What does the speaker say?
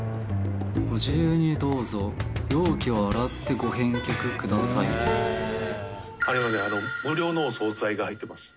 「ご自由にどうぞ容器は洗ってご返却ください」が入ってます。